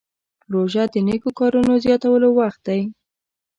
روژه د نیکو کارونو زیاتولو وخت دی.